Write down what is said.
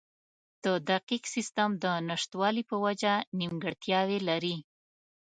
د دقیق سیستم د نشتوالي په وجه نیمګړتیاوې لري.